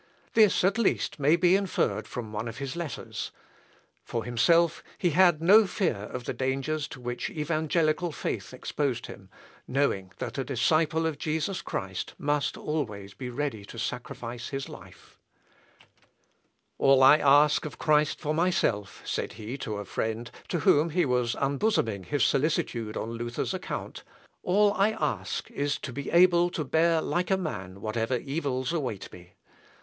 This, at least, may be inferred from one of his letters. For himself, he had no fear of the dangers to which evangelical faith exposed him, knowing that a disciple of Jesus Christ must always be ready to sacrifice his life; "All I ask of Christ for myself," said he to a friend to whom he was unbosoming his solicitude on Luther's account, "all I ask is to be able to bear like a man whatever evils await me.